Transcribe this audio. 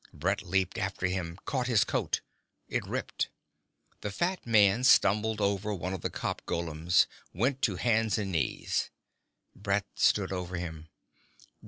Brett leaped after him, caught his coat. It ripped. The fat man stumbled over one of the cop golems, went to hands and knees. Brett stood over him.